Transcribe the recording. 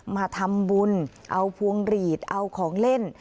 มาทำบุญเอาพวงหลีดเอาของเล่น